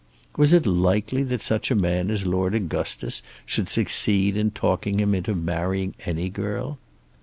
Was it likely that such a man as Lord Augustus should succeed in talking him into marrying any girl?